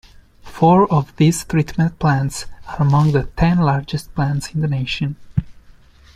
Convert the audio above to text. Four of these treatment plants are among the ten largest plants in the nation.